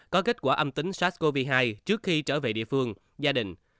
có kết quả âm tính sars cov hai trước khi trở về địa phương gia đình